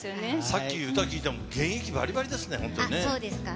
さっき、歌聴いても現役ばりばりですね、本当にね。